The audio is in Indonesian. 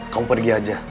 kamu pergi aja